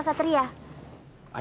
gak buka tapi lobby